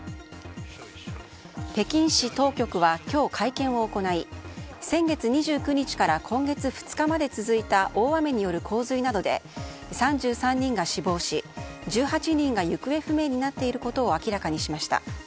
北京市当局は今日、会見を行い先月２９日から今月２日まで続いた大雨による洪水などで３３人が死亡し１８人が行方不明になっていることを明らかにしました。